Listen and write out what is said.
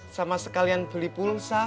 sama sekalian beli pulsa